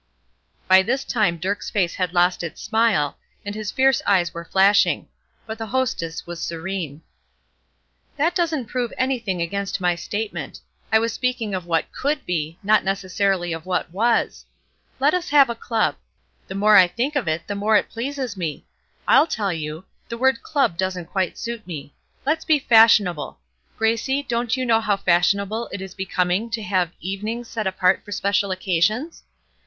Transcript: By this time Dirk's face had lost its smile, and his fierce eyes were flashing; but the hostess was serene. "That doesn't prove anything against my statement. I was speaking of what could be, not necessarily of what was. Let us have a club. The more I think of the plan the more it pleases me. I'll tell you! The word 'club' doesn't quite suit me. Let us be fashionable. Gracie, don't you know how fashionable it is becoming to have 'evenings' set apart for special occasions?